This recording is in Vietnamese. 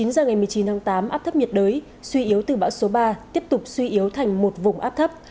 chín giờ ngày một mươi chín tháng tám áp thấp nhiệt đới suy yếu từ bão số ba tiếp tục suy yếu thành một vùng áp thấp